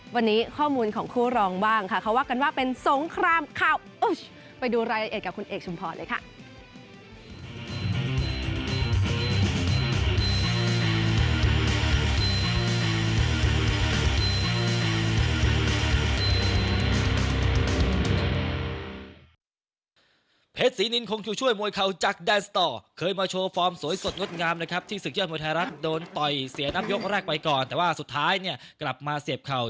วันนี้ข้อมูลของคู่รองบ้างค่ะเขาว่ากันว่าเป็นสงครามเข่าไปดูรายละเอียดกับคุณเอกชุมพรเลยค่ะ